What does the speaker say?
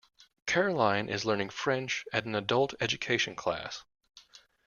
Caroline is learning French at an adult education class